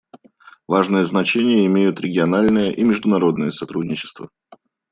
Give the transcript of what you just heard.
Важное значение имеют региональное и международное сотрудничество.